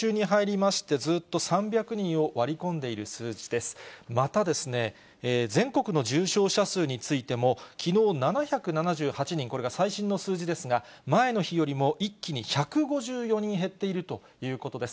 またですね、全国の重症者数についても、きのう７７８人、これが最新の数字ですが、前の日よりも一気に１５４人減っているということです。